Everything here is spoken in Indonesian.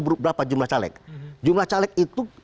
berapa jumlah caleg jumlah caleg itu